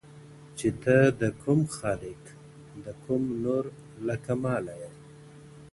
• چي ته د کوم خالق، د کوم نوُر له کماله یې.